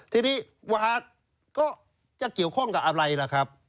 ทีนี้วาก็จะเกี่ยวข้องกับอะไรล่ะครับ